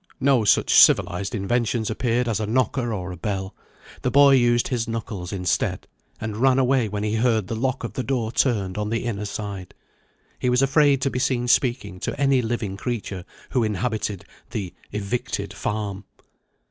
No such civilised inventions appeared as a knocker or a bell. The boy used his knuckles instead and ran away when he heard the lock of the door turned on the inner side. He was afraid to be seen speaking to any living creature who inhabited the "evicted farm."